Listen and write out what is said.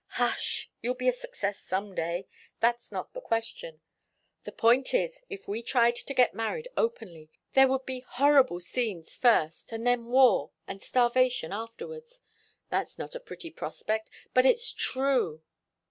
"Hush! You'll be a success some day. That's not the question. The point is, if we tried to get married openly, there would be horrible scenes first, and then war, and starvation afterwards. It's not a pretty prospect, but it's true."